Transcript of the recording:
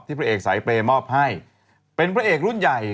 พระเอกสายเปรย์มอบให้เป็นพระเอกรุ่นใหญ่